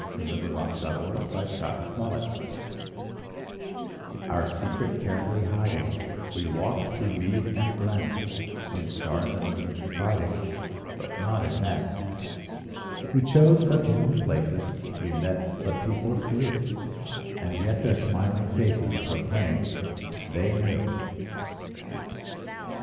[ 38 ] SONGS AND DREAMS Our Secret Our secret carefully hiding, We walked through mead and glen, In stars and moon confiding, But not in men. We chose but hidden places, We met but people few; And yet their smiling faces Proclaimed: they knew!